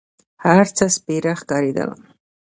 هر څه سپېره ښکارېدل.